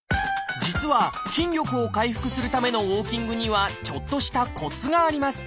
実は筋力を回復するためのウォーキングにはちょっとしたコツがあります。